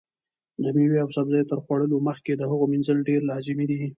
د مېوې او سبزیو تر خوړلو مخکې د هغو مینځل ډېر لازمي دي.